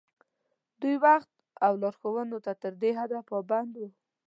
دوی وخت او لارښوونو ته تر دې حده پابند وو.